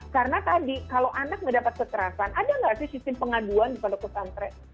karena tadi kalau anak mendapat kekerasan ada nggak sih sistem pengaduan kepada pesantren